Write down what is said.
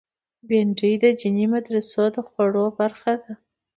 بېنډۍ د دیني مدرسو د خواړو برخه ده